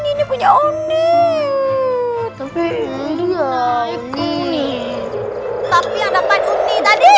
ini punya uni tapi yang dapet uni tadi